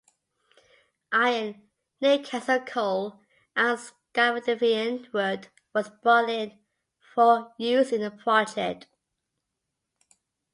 Iron, Newcastle coal and Scandinavian wood was brought in for use in the project.